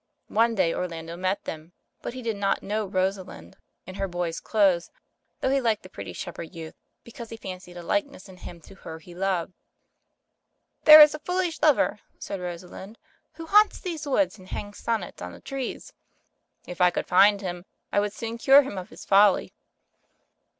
One day Orlando met them, but he did not know Rosa lind in her boy's clothes, though he liked the pretty shepherd youth, because he fancied a likeness in him to her he loved. "There is a foolish lover," said Rosalind, "who haunts these woods and hangs sonnets on the trees. If I could find him, I would soon cure him of his folly."